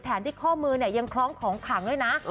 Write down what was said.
ที่ข้อมือเนี่ยยังคล้องของขังด้วยนะ